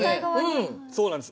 そうなんです。